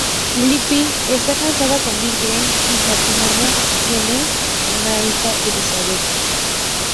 Lippi, está casada con Bill Green, y el matrimonio tiene una hija Elizabeth.